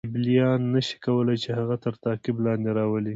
کیبلیان نه شي کولای چې هغه تر تعقیب لاندې راولي.